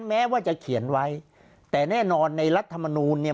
แม้ว่าจะเขียนไว้แต่แน่นอนในรัฐมนูลเนี่ย